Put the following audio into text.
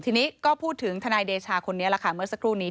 ทีนี้ก็พูดถึงทะนายเดชาคนนี้เหมือนสักครู่นี้